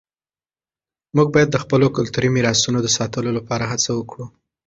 موږ باید د خپلو کلتوري میراثونو د ساتلو لپاره هڅه وکړو.